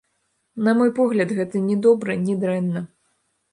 На мой погляд, гэта ні добра, ні дрэнна.